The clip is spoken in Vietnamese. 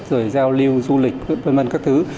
rồi giao lưu du lịch